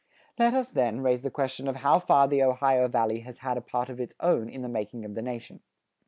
Let us, then, raise the question of how far the Ohio Valley has had a part of its own in the making of the nation.